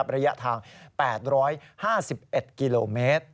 ระยะทาง๘๕๑กิโลเมตร